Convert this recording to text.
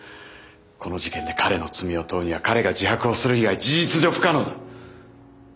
この事件で彼の罪を問うには彼が自白をする以外事実上不可能だ。